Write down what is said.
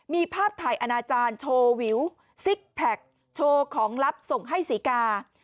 มีภาพถ่ายอนาจารย์โชว์วิวซิกแพคโชว์ของลับส่งให้ศรีกา